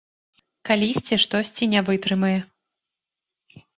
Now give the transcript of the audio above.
Калісьці штосьці не вытрымае.